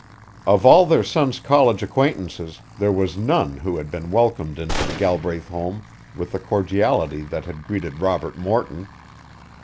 Of all their son's college acquaintances there was none who had been welcomed into the Galbraith home with the cordiality that had greeted Robert Morton.